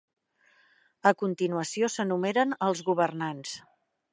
A continuació s'enumeren els governants.